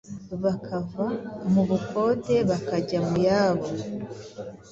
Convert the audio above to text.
bakava mu bukode bakajya muyabo